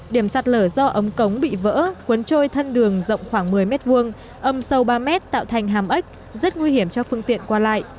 điểm sạt lở do ống cống bị vỡ cuốn trôi thân đường rộng khoảng một mươi m hai âm sâu ba mét tạo thành hàm ếch rất nguy hiểm cho phương tiện qua lại